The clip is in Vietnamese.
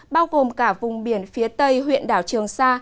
bao gồm cả vùng biển phía tây huyện đảo trường sa